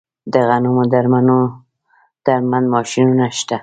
د غنمو درمند ماشینونه شته